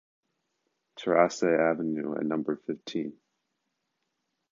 Terrasse Avenue at number fifteen